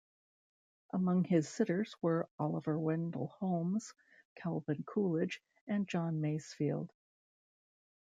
Among his sitters were Oliver Wendell Holmes, Calvin Coolidge, and John Masefield.